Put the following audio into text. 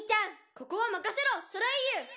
「ここはまかせろソレイユ」